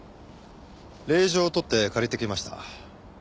令状を取って借りてきました。